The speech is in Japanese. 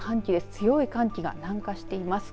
強い寒気が南下しています。